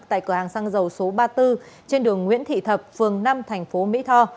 tại cửa hàng xăng dầu số ba mươi bốn trên đường nguyễn thị thập phường năm thành phố mỹ tho